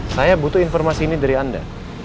saya butuh informasi ini dari anda